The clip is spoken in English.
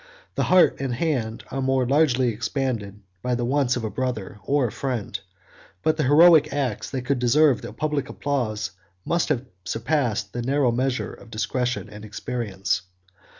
The heart and hand are more largely expanded by the wants of a brother or a friend; but the heroic acts that could deserve the public applause, must have surpassed the narrow measure of discretion and experience.